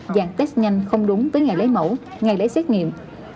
vàng test nhanh không đúng tới ngày lấy mẫu ngày lấy xét nghiệm